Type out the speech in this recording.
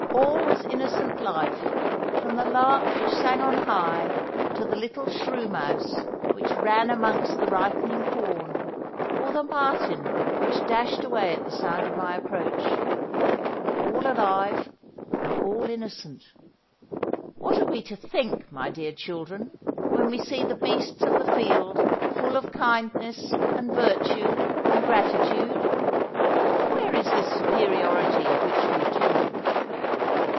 All was innocent life, from the lark which sang on high to the little shrew mouse which ran amongst the ripening corn, or the martin which dashed away at the sound of my approach. All alive and all innocent. What are we to think, my dear children, when we see the beasts of the field full of kindness and virtue and gratitude? Where is this superiority of which we talk?